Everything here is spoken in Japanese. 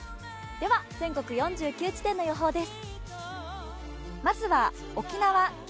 全国４９地点の予報です。